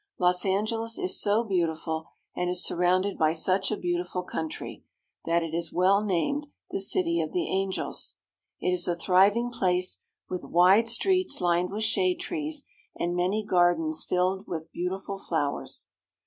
Los Angeles is so beautiful, and is surrounded by such a beautiful country, that it is well named the " City of the Angels." It is a thriving place, with wide streets lined with shade trees, and many gardens filled with beautiful flowers.